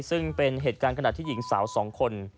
ซึ่งเป็นเหตุการณ์ขณะที่หญิงสาว๒คน